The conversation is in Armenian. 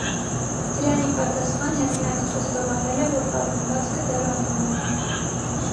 Դրան ի պատասխան՝ հեղինակը խոստովանել է, որ պատմվածքը դեռ անանուն է։